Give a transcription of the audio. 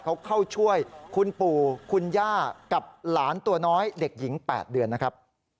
เขาเข้าช่วยคุณปู่คุณย่ากับหลานตัวน้อยเด็กหญิง๘เดือนนะครับ